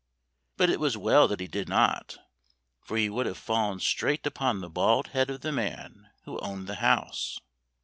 But it was well that he did not, for he would have fallen straight upon the bald head of the man who owned the house.